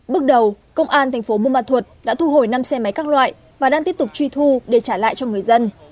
bước đầu công an tp muôn mạc thuật đã thu hồi năm xe máy các loại và đang tiếp tục truy thu để trả lại cho người dân